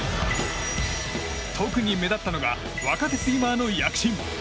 特に目立ったのが若手スイマーの躍進。